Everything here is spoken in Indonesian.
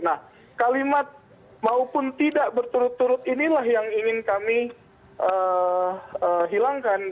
nah kalimat maupun tidak berturut turut inilah yang ingin kami hilangkan